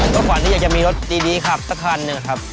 ความฝันที่อยากจะมีรถดีขับสักครั้งเนี่ยครับ